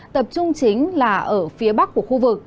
tập trung chính là ở phía bắc của khu vực